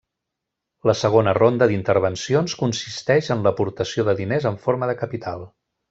La segona ronda d'intervencions consisteix en l'aportació de diners en forma de capital.